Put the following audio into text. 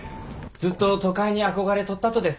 ずっと都会に憧れとったとです。